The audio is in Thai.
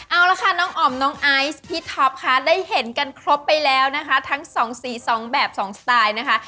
เอาละค่ะน้องอ๋อมน้องไอซ์พี่ท็อปค่ะได้เห็นกันครบไปแล้วนะคะทั้งสองสีสองแบบสองสไตล์นะคะ